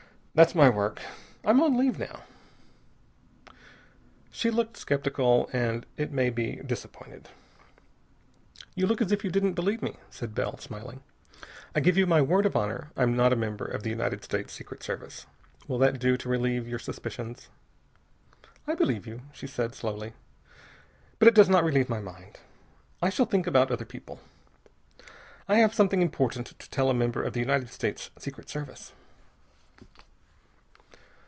That's my work. I'm on leave now." She looked skeptical and, it may be, disappointed. "You look as if you didn't believe me," said Bell, smiling. "I give you my word of honor I'm not a member of the United States Secret Service. Will that do to relieve your suspicions?" "I believe you," she said slowly, "but it does not relieve my mind. I shall think about other people. I have something important to tell a member of the United States Secret Service."